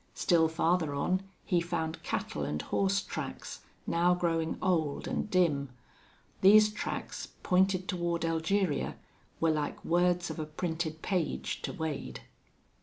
Still farther on he found cattle and horse tracks, now growing old and dim. These tracks, pointed toward Elgeria, were like words of a printed page to Wade.